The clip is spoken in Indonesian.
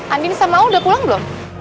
andini sama u udah pulang belum